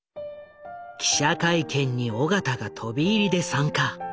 記者会見に緒方が飛び入りで参加。